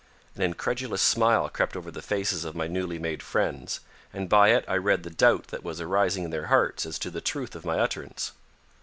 An incredulous smile crept over the faces of my newly made friends, and by it I read the doubt that was arising in their hearts as to the truth of my utterance.